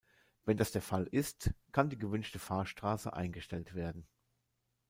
Wenn das der Fall ist, kann die gewünschte Fahrstraße eingestellt werden.